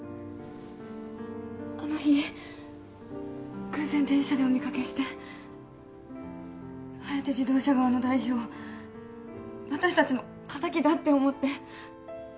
あの日偶然電車でお見掛けしてハヤテ自動車側の代表私たちの敵だって思って。